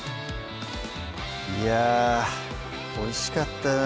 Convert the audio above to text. いやぁおいしかったな